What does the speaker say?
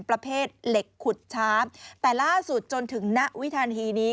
ประเภทเหล็กขุดชาร์ฟแต่ล่าสุดจนถึงณวิทันทีนี้